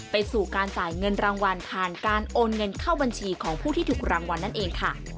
ไปสู่การจ่ายเงินรางวัลผ่านการโอนเงินเข้าบัญชีของผู้ที่ถูกรางวัลนั่นเองค่ะ